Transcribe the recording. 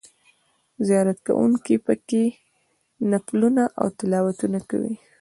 زیارت کوونکي په کې نفلونه او تلاوتونه کوي.